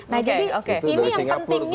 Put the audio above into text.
nah jadi ini yang penting